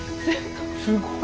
すごい。